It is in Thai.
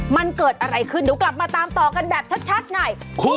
มันเกิดอะไรขึ้นเดี๋ยวกลับมาตามต่อกันแบบชัดหน่อย